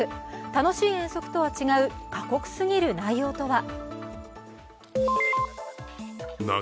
楽しい遠足とは違う、過酷すぎる内容とは？